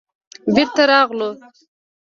بېرته راغلو.